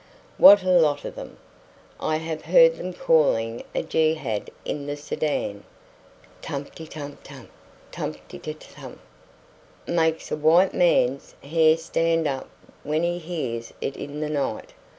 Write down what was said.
What a lot of them! I have heard them calling a jehad in the Sudan. Tumpi tum tump! tumpitum tump! Makes a white man's hair stand up when he hears it in the night.